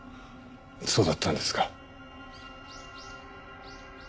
そうだったんですか。